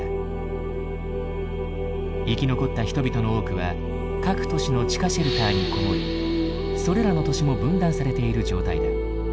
生き残った人々の多くは各都市の地下シェルターに籠もりそれらの都市も分断されている状態だ。